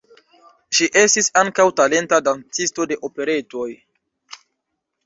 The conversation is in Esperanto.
Ŝi estis ankaŭ talenta dancisto de operetoj.